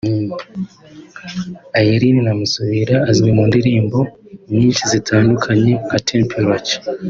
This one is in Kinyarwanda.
Iryn Namubira azwi mu ndirimbo nyinshi zitandukanye nka temperature